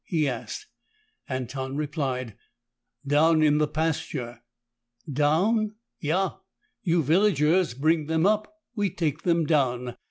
he asked. Anton replied, "Down in the pasture." "Down?" "Yah. You villagers bring them up. We take them down.